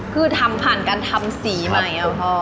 คือทำผ่านการทำสีใหม่อะพ่อ